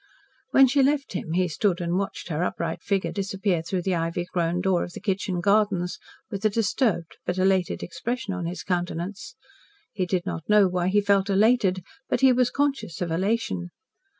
When she left him he stood and watched her upright figure disappear through the ivy grown door of the kitchen gardens with a disturbed but elated expression on his countenance. He did not know why he felt elated, but he was conscious of elation.